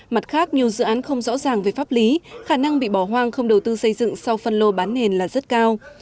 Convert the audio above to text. mặt khác nhiều dự án không rõ ràng về pháp lý khả năng bị bỏ hoang không đầu tư xây dựng sau phân lô bán nền là rất cao